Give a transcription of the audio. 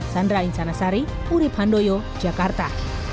sandra insanasari urib handoyo jakarta